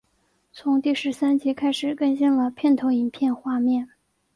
从第十三集开始更新了片头影片画面。